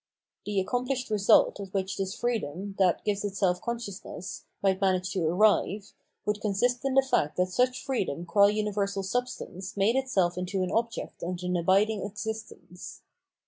The accomplished result at which this freedom, that gives itself consciousness, might manage to arrive, would consist in the fact that such freedom gua universal substance made itself into an object and an abiding Absolute Freedom and Terror 597 existence.